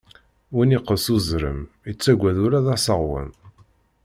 Win iqqes uzrem, ittagad ula d aseɣwen.